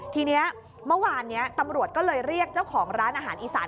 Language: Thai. ทีนี้เมื่อวานนี้ตำรวจก็เลยเรียกเจ้าของร้านอาหารอีสาน